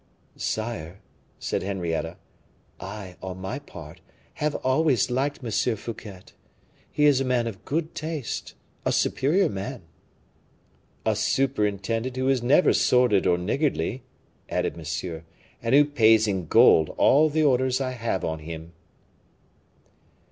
"Sire," said Henrietta, "I, on my part, have always liked M. Fouquet. He is a man of good taste, a superior man." "A superintendent who is never sordid or niggardly," added Monsieur; "and who pays in gold all the orders I have on him."